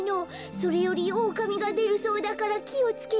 それよりオオカミがでるそうだからきをつけてね」。